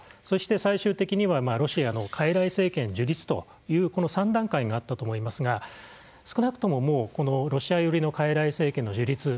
そして最終的にはロシアのかいらい政権樹立というこの３段階があったと思いますが少なくとももうこのロシア寄りのかいらい政権の樹立。